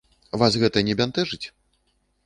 Вас гэта не бянтэжыць?